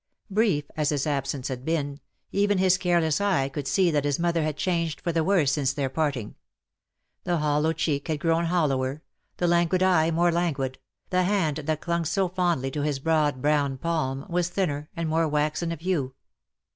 Brief as his absence had been, even his careless eye could see that his mother had changed for the worse since their parting. The hollow cheek had grown hollower, the languid eye more languid, the hand that clung so fondly to his broad, brown palm, was thinner, and more waxen of hue.